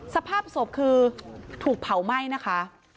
สภาพศพคือถูกเผาไหม้นะคะ